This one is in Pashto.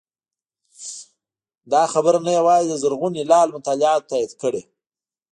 دا خبره نه یوازې د زرغون هلال مطالعاتو تایید کړې